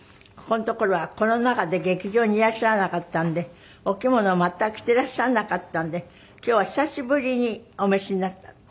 ここのところはコロナ禍で劇場にいらっしゃらなかったのでお着物を全く着てらっしゃらなかったので今日は久しぶりにお召しになった。